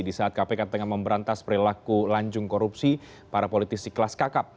di saat kpk tengah memberantas perilaku lanjung korupsi para politisi kelas kakap